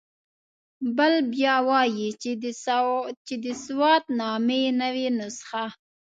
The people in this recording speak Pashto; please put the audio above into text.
بل بیا وایي چې د سوات نامې نوې نسخه.